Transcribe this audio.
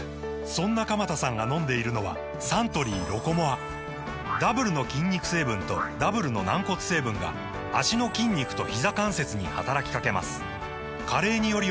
そんな鎌田さんが飲んでいるのはサントリー「ロコモア」ダブルの筋肉成分とダブルの軟骨成分が脚の筋肉とひざ関節に働きかけます加齢により衰える歩く速さを維持することが報告されています